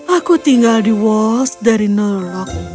aku tinggal di wolse dari norlok